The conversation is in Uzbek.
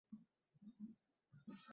Zaminimizning har qarichi oltin.